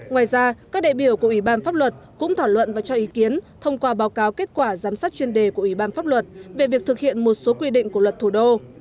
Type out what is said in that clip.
ngoài ra các đại biểu của ủy ban pháp luật cũng thảo luận và cho ý kiến thông qua báo cáo kết quả giám sát chuyên đề của ủy ban pháp luật về việc thực hiện một số quy định của luật thủ đô